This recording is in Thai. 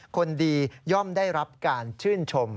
คนดีย่อมได้รับการชื่นชม